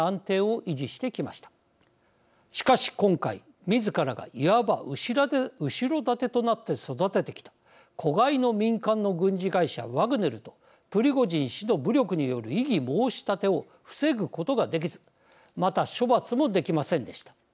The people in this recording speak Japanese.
しかし今回自らがいわば後ろ盾となって育ててきた子飼いの民間の軍事会社ワグネルとプリゴジン氏の武力による異議申し立てを防ぐことができずまた処罰もできませんでした。